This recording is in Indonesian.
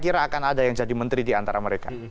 kira akan ada yang jadi menteri di antara mereka